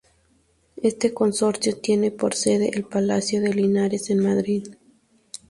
Este consorcio tiene por sede el Palacio de Linares en Madrid.